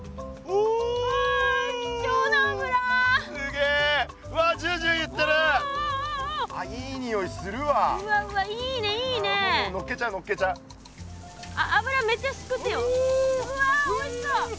うわおいしそう！